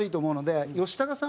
吉高さん